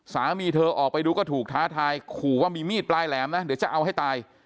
สามีเธอออกไปดูก็ถูกท้าทายขู่ว่ามีมีดปลายแหลมนะเดี๋ยวจะเอาให้ตาย